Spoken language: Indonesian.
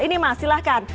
ini mas silahkan